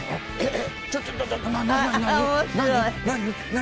何？